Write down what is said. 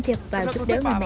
đi về đi về